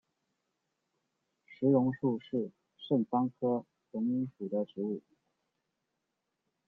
石榕树是桑科榕属的植物。